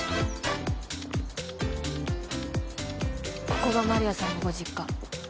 ここが丸谷さんのご実家。